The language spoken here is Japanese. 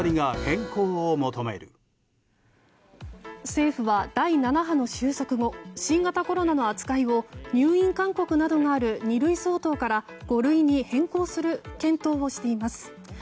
政府は第７波の収束後新型コロナの扱いを入院勧告などがある二類相当から五類に変更する検討をしています。